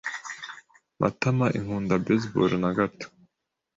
Matamainkunda baseball na gato.